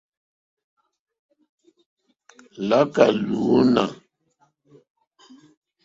Láká lúǃúná.